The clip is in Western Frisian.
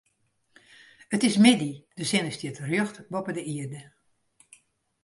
It is middei, de sinne stiet rjocht boppe de ierde.